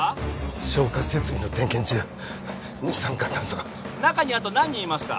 消火設備の点検中二酸化炭素が中にあと何人いますか？